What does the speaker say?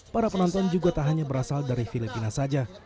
para penonton juga tak hanya berasal dari filipina saja